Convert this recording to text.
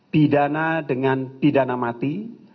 pidana dengan pidana mati